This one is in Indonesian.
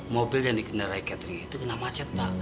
mobil yang dikendarai catering itu kena macet pak